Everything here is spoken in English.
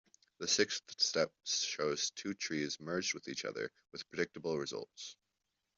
The sixth step shows two trees merged with each other, with predictable results.